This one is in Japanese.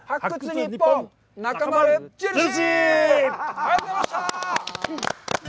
ありがとうございます。